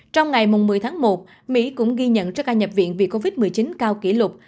trong ngày một mươi tháng một mỹ cũng ghi nhận số ca nhập viện vì covid một mươi chín cao kỷ lục